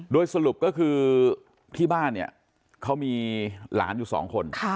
โดยสรุปก็คือที่บ้านเนี่ยเขามีหลานอยู่สองคน